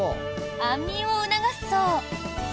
安眠を促すそう。